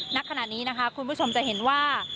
ณขณะนี้นะคะคุณผู้ชมจะเห็นว่า